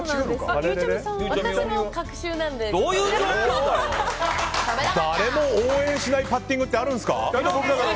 誰も応援しないパッティングってあるんですか？